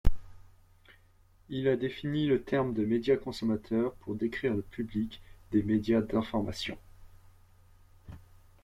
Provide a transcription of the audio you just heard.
Il a défini le terme de médiaconsommateur pour décrire le public des médias d'information.